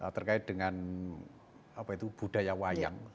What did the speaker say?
terkait dengan budaya wayang